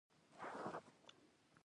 کمې خبرې، د زړورتیا نښه ده.